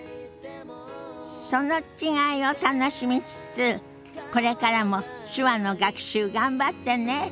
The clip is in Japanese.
その違いを楽しみつつこれからも手話の学習頑張ってね。